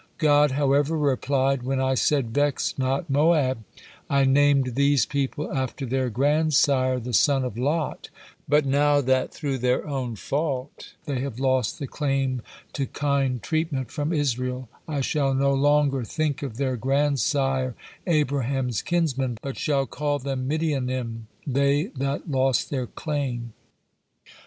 '" God, however, replied: "When I said, 'Vex not Moab,' I named these people after their grandsire, the son of Lot, but not that through their own fault they have lost the claim to kind treatment from Israel, I shall no longer think of their grandsire Abraham's kinsman, but shall call them Midianim, 'they that lost their claim.'"